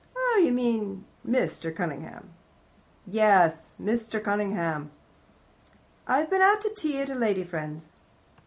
"Oh, you mean Mr. Cunningham." "Yes. Mr. Cunningham." "I've been out to tea at a lady friend's."